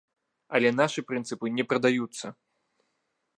Але нашы прынцыпы не прадаюцца.